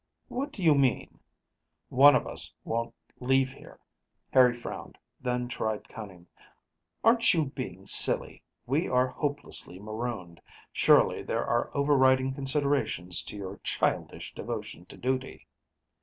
"What do you mean?" "One of us won't leave here." Harry frowned, then tried cunning. "Aren't you being silly? We are hopelessly marooned. Surely there are overriding considerations to your childish devotion to duty."